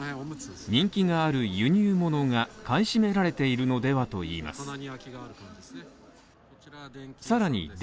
人気がある輸入ものが買い占められているのではといいます。